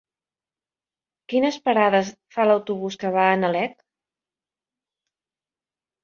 Quines parades fa l'autobús que va a Nalec?